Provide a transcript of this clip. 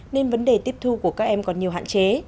nên vấn đề tiếp thu của các em còn nhiều hạn chế